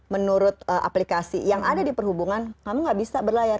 menurut aplikasi yang ada di perhubungan kamu gak bisa berlayar